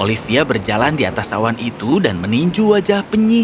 olivia berjalan di atas awan itu dan meninju wajah penyihir itu